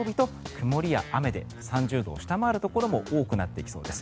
曇りや雨で３０度を下回るところも多くなってきそうです。